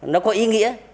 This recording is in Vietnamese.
nó có ý nghĩa